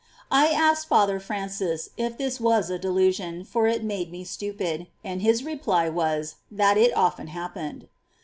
^ I asked Father Francis^ if this was a delusion, for it made me stupid ; and his reply was, that it often happened.